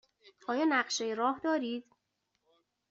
آیا نقشه راه دارید؟